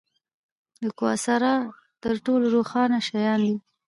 د کواسار تر ټولو روښانه شیان دي.